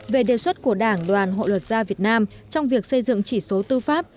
về đề xuất của đảng đoàn hội luật gia việt nam trong việc xây dựng chỉ số tư pháp